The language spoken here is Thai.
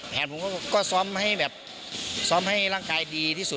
แผนผมก็สอบให้ร่างกายดีที่สุด